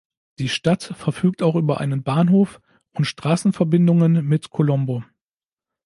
Die Stadt verfügt auch über einen Bahnhof und Straßenverbindungen mit Colombo.